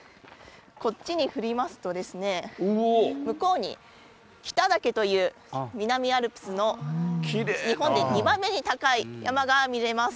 こっちに振りますと、向こうに北岳という南アルプスの日本で２番目に高い山が見れます。